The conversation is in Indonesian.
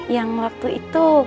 yang waktu itu